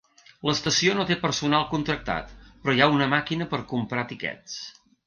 L'estació no té personal contractat, però hi ha una màquina per comprar tiquets.